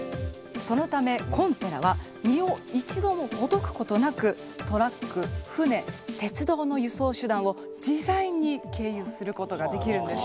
そのためコンテナは荷を一度もほどくことなくトラック・船・鉄道の輸送手段を自在に経由することができるんです。